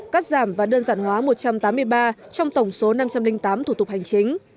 cắt giảm và đơn giản hóa một trăm tám mươi ba trong tổng số năm trăm linh tám thủ tục hành chính